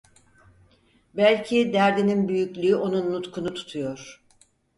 Belki derdinin büyüklüğü onun nutkunu tutuyor.